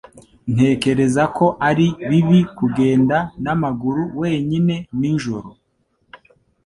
Ntekereza ko ari bibi kugenda n'amaguru wenyine nijoro